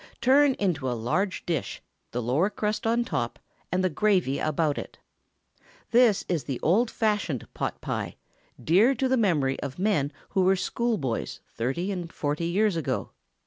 Turn into a large dish, the lower crust on top, and the gravy about it. This is the old fashioned pot pie, dear to the memory of men who were school boys thirty and forty years ago.